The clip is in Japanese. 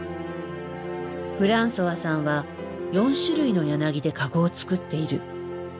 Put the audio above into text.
フランソワさんは４種類のヤナギでかごを作っている。